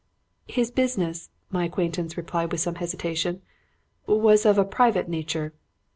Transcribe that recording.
"'His business,' my acquaintance replied with some hesitation, 'was of a private nature.'